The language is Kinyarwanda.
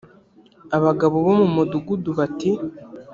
abagabo bo mu mudugudu bati